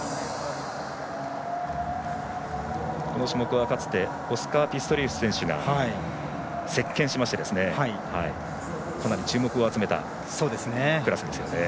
この種目はかつてピストリウス選手が席けんしましてかなり注目を集めたクラスです。